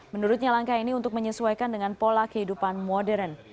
menurutnya langkah ini untuk menyesuaikan dengan pola kehidupan modern